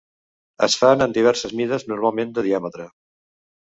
Es fan en diverses mides, normalment de diàmetre.